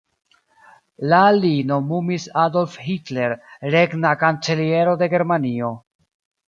La li nomumis Adolf Hitler regna kanceliero de Germanio.